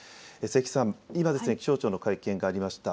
清木さん、今気象庁の会見がありました。